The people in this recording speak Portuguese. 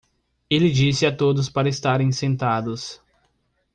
Ele disse a todos para estarem sentados.